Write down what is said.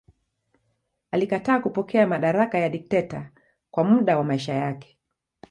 Alikataa kupokea madaraka ya dikteta kwa muda wa maisha yake.